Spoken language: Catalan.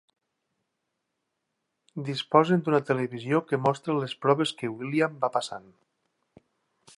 Disposen d'una televisió que mostra les proves que William va passant.